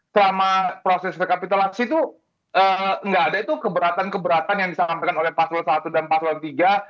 selama proses rekapitulasi itu nggak ada itu keberatan keberatan yang disampaikan oleh pak sloan i dan pak sloan iii